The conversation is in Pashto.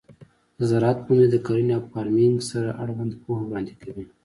د زراعت پوهنځی د کرنې او فارمینګ سره اړوند پوهه وړاندې کوي.